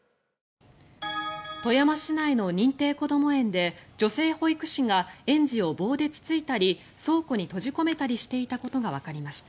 富山市内の認定こども園で女性保育士が園児を棒でつついたり倉庫に閉じ込めたりしていたことがわかりました。